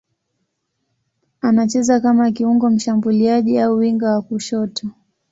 Anacheza kama kiungo mshambuliaji au winga wa kushoto.